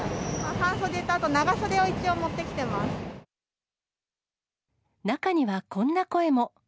半袖と、あと長袖を一応持ってき中にはこんな声も。